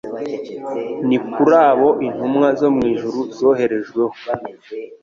Ni kuri abo intumwa zo mu ijuru zoherejweho'.